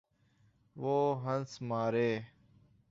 وہ ہنس مارے۔